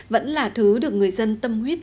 vẫn là thứ được người dân tâm huyết